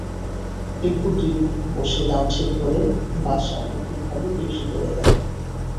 এরপর দুই পক্ষ বসে দাম ঠিক করে বাসা মৌখিকভাবে বিক্রি করে দেন।